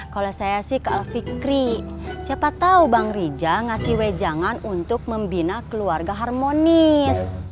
kalau saya sih ke al fikri siapa tahu bang rija ngasih wejangan untuk membina keluarga harmonis